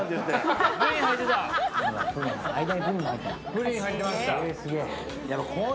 プリン入ってました。